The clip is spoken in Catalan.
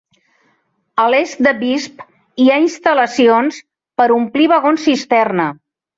A l'est de Visp, hi ha instal·lacions per omplir vagons cisterna.